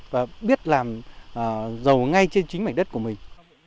và biết làm giàu ngay trên chính mảnh đất của mình